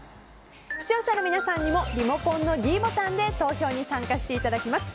視聴者の皆さんにもリモコンのｄボタンで投票に参加していただけます。